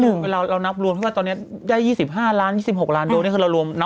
เวลาเรานับรวมที่ว่าตอนนี้ได้๒๕ล้าน๒๖ล้านโดนี่คือเรารวม